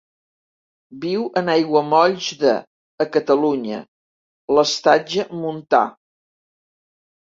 Viu en aiguamolls de, a Catalunya, l'estatge montà.